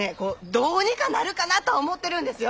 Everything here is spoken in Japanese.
どうにかなるかなとは思うてるんですよ。